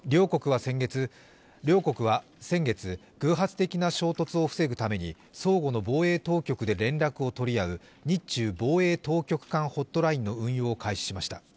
両国は先月、偶発的な衝突を防ぐために相互の防衛当局で連絡を取り合う日中防衛当局間ホットラインの運用を開始しました。